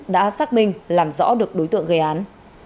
đã xác minh làm rõ được đối tượng gây án